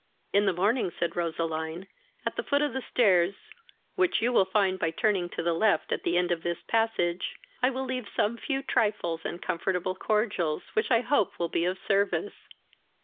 "In the morning, (said Roseline,) at the foot of the stairs, which your will find by turning to the left, at the end of this passage, I will leave some few trifles and comfortable cordials, which I hope will be of service.